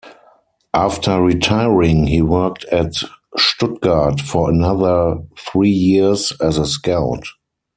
After retiring, he worked at Stuttgart for another three years, as a scout.